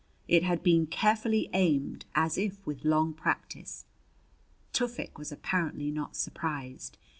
It had been carefully aimed as if with long practice. Tufik was apparently not surprised.